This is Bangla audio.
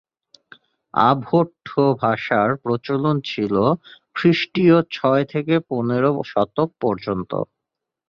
অবহট্ঠ ভাষার প্রচলন ছিল খ্রিস্টিয় ছয় থেকে পনেরো শতক পর্যন্ত।